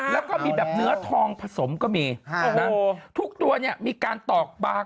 แล้วก็มีแบบเนื้อทองผสมก็มีทุกตัวเนี่ยมีการตอกบาง